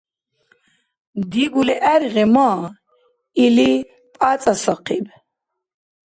— Дигули гӀергъи ма, — или, пяцӀасахъиб.